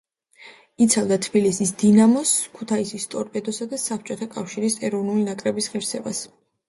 იცავდა თბილისის „დინამოს“, ქუთაისის „ტორპედოსა“ და საბჭოთა კავშირის ეროვნული ნაკრების ღირსებას.